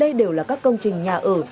đây đều là các công trình nhà ở